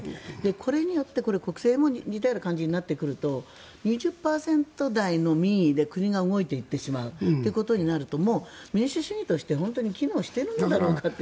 これによって国政も似たような感じになってくると２０％台の民意で国が動いていってしまうということになると民主主義として本当に機能しているのかどうか。